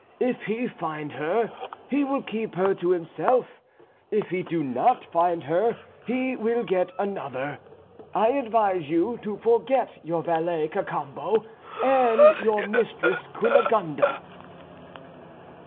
If he find her, he will keep her to himself; if he do not find her he will get another. I advise you to forget your valet Cacambo and your mistress Cunegonde."